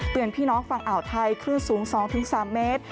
พี่น้องฝั่งอ่าวไทยคลื่นสูง๒๓เมตร